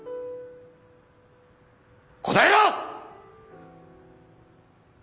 答えろ！